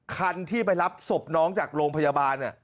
คันที่ไปรับศพน้องจากโรงพยาบาล